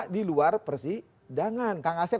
di luar persidangan kang asep